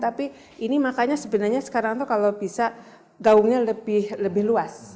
tapi ini makanya sebenarnya sekarang itu kalau bisa gaungnya lebih luas